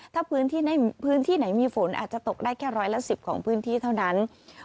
ถ้าพื้นที่ไหนมีฝนอาจจะตกได้แค่ร้อยละ๑๐ของพื้นที่เท่านั้น